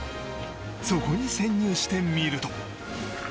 そこに潜入してみると